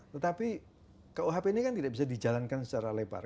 tetapi kuhp ini kan tidak bisa dijalankan secara lebar